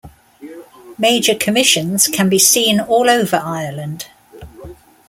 Major commissions can be seen all over Ireland.